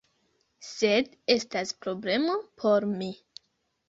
Sed estas problemo por mi.